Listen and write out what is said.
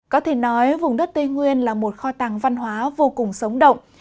có thể nói vùng đất tây nguyên là một kho tàng văn hóa vô cùng sống động